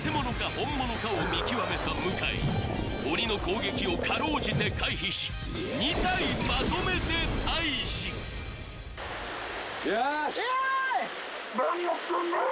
本物かを見極めた向井鬼の攻撃をかろうじて回避し２体まとめてタイジよしイエーイ！